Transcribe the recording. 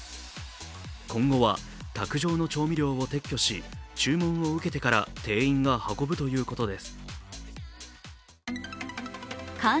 今後は、卓上の調味料を撤去し注文を受けてから店員が運ぶということです。